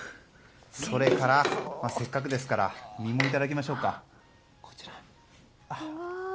それから、せっかくですから身もいただきましょうか。